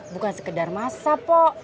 bukan sekedar masa po